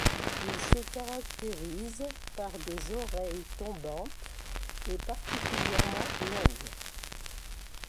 Il se caractérise par des oreilles tombantes et particulièrement longues.